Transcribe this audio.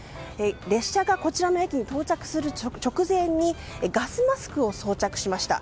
列車がこちらの駅に到着する直前ガスマスクを装着しました。